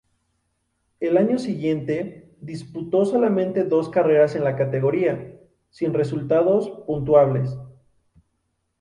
El año siguiente disputó solamente dos carreras en la categoría, sin resultados puntuables.